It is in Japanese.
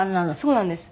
そうなんです。